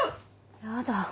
やだ。